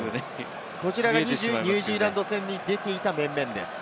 こちらがニュージーランド戦に出ていた面々です。